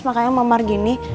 makanya memar gini